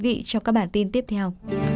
hẹn gặp lại quý vị trong các bản tin tiếp theo